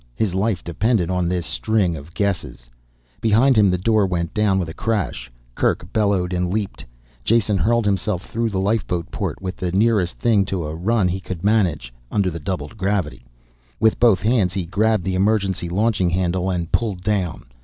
His life depended on this string of guesses. Behind him the door went down with a crash. Kerk bellowed and leaped. Jason hurled himself through the lifeboat port with the nearest thing to a run he could manage under the doubled gravity. With both hands he grabbed the emergency launching handle and pulled down.